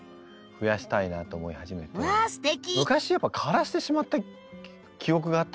昔やっぱ枯らしてしまった記憶があったので。